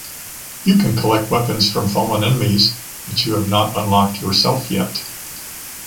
You can collect weapons from fallen enemies that you have not unlocked yourself yet.